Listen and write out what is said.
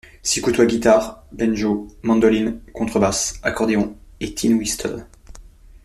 S'y côtoient guitare, banjo, mandoline, contrebasse, accordéon et tin whistle.